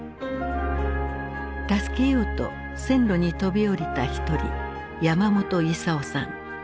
助けようと線路に飛び降りた一人山本勲さん。